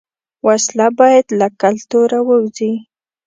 وسله باید له کلتوره ووځي